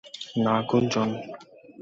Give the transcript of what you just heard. না, গুঞ্জন।